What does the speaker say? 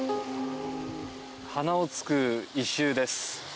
鼻をつく異臭です。